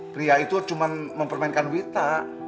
pria itu cuma mempermainkan wita